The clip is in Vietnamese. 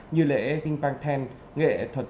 như lễ kinh pankten nghệ thuật